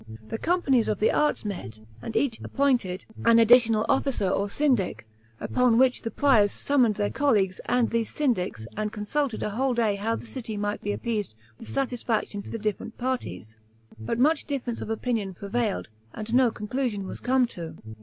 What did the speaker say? The companies of the Arts met, and each appointed an additional officer or Syndic; upon which the Priors summoned their Colleagues and these Syndics, and consulted a whole day how the city might be appeased with satisfaction to the different parties; but much difference of opinion prevailed, and no conclusion was come to.